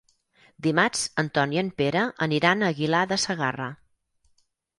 Dimarts en Ton i en Pere aniran a Aguilar de Segarra.